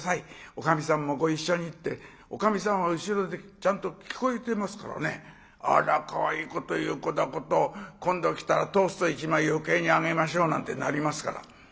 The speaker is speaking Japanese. おかみさんもご一緒にっておかみさんは後ろでちゃんと聞こえてますからねあらかわいいこと言う子だこと今度来たらトースト１枚余計にあげましょうなんてなりますから。